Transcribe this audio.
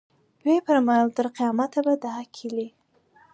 ویې فرمایل تر قیامته به دا کیلي.